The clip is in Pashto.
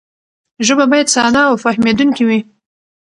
ژبه باید ساده او فهمېدونکې وي.